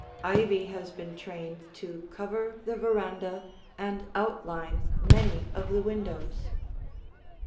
Ivy has been trained to cover the veranda and outline many of the windows.